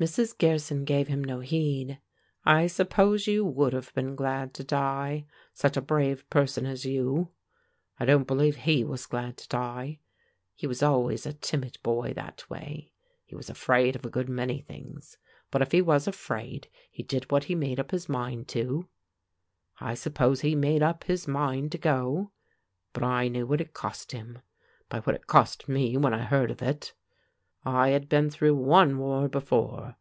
Mrs. Gearson gave him no heed. "I suppose you would have been glad to die, such a brave person as you! I don't believe he was glad to die. He was always a timid boy, that way; he was afraid of a good many things; but if he was afraid he did what he made up his mind to. I suppose he made up his mind to go, but I knew what it cost him, by what it cost me when I heard of it. I had been through one war before.